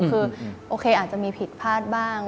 คือโอเคอาจจะมีผิดพลาดบ้าง